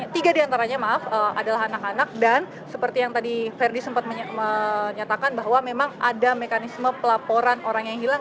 tiga diantaranya maaf adalah anak anak dan seperti yang tadi verdi sempat menyatakan bahwa memang ada mekanisme pelaporan orang yang hilang